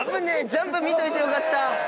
ジャンプ見といてよかった。